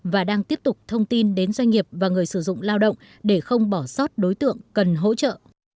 và đang tiếp tục thông tin đến doanh nghiệp và người sử dụng lao động để không bỏ sót đối tượng cần hỗ trợ